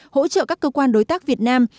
hỗ trợ các cơ quan đối tác việt nam